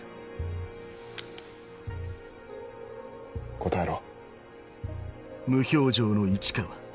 答えろ。